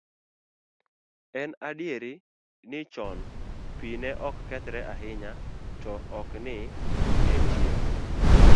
En adier ni chon pi ne ok kethre ahinya to ok ni ok entie.